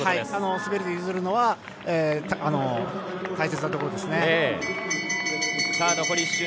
今の滑りで譲るのは大切なところです。